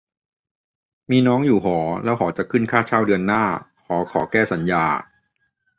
- มีน้องอยู่หอ แล้วหอจะขึ้นค่าเช่าเดือนหน้า หอขอแก้สัญญา